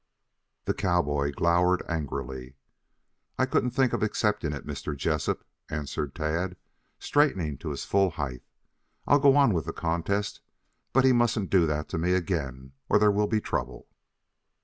The cowboy glowered angrily. "I couldn't think of accepting it, Mr. Jessup," answered Tad, straightening to his full height. "I'll go on with the contest, but he mustn't do that to me again or there will be trouble."